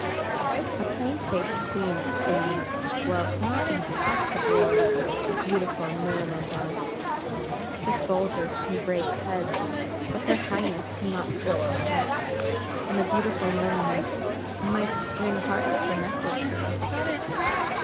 A plain faced Queen of Spain dwells not in half the glory a beautiful milliner does. Her soldiers can break heads, but her Highness can not crack a heart; and the beautiful milliner might string hearts for necklaces.